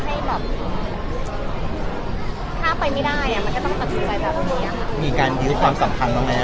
หรือว่ามันไม่ดีอะไรแน่